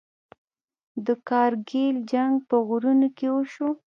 د کارګیل جنګ په غرونو کې وشو.